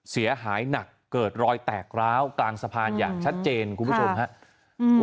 เสียหายหนักเกิดรอยแตกร้าวกลางสะพานอย่างชัดเจนคุณผู้ชมครับ